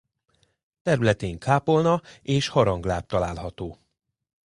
Területén kápolna és harangláb található.